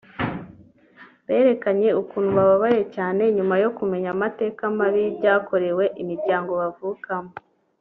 berekanye ukuntu bababaye cyane nyuma yo kumenya amateka mabi y’ibyakorewe imiryango bavukamo